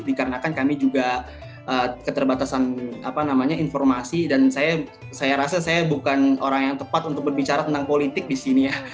dikarenakan kami juga keterbatasan informasi dan saya rasa saya bukan orang yang tepat untuk berbicara tentang politik di sini ya